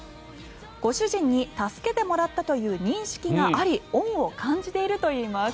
ご主人に助けてもらったという認識があり恩を感じているといいます。